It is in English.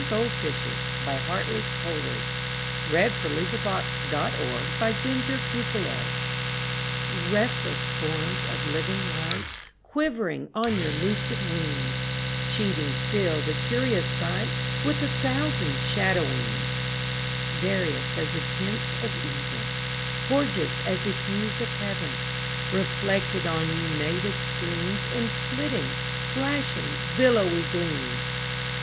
G H . I J . K L . M N . O P . Q R . S T . U V . W X . Y Z Address to Certain Golfishes RESTLESS forms of living light Quivering on your lucid wings, Cheating still the curious sight With a thousand shadowings; Various as the tints of even, Gorgeous as the hues of heaven, Reflected on you native streams In flitting, flashing, billowy gleams!